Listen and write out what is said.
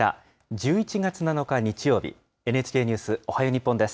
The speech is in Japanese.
１１月７日日曜日、ＮＨＫニュースおはよう日本です。